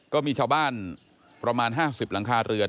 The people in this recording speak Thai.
ก็มีชาวบ้านประมาณ๕๐หลังคาเรือน